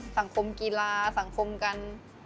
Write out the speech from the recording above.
สังคมกีฬาสังคมกัน